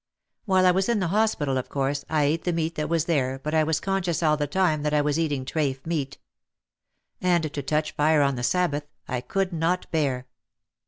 While I was in the hos pital, of course, I ate the meat that was there but I was conscious all the time that I was eating trafe meat. And to touch fire on the Sabbath I could not bear.